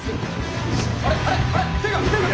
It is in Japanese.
あれ？